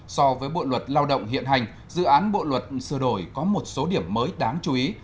so với bộ luật lao động hiện hành dự án bộ luật sửa đổi có một số điểm mới đáng chú ý